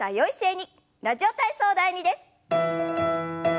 「ラジオ体操第２」です。